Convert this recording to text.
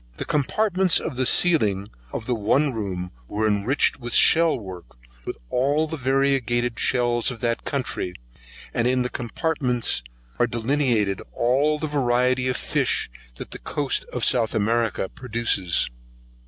The copartments of the ceiling of the one room was enriched in shell work, with all the variegated shells of that country, and in the copartments are delineated all the variety of fish that the coast of South America produces.